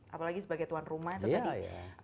apalagi sebagai tuan rumah itu tadi